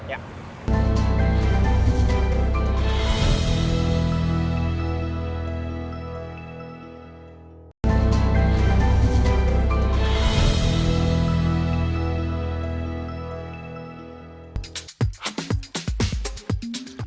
assalamualaikum warahmatullahi wabarakatuh